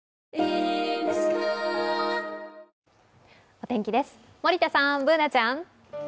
お天気です、森田さん、Ｂｏｏｎａちゃん。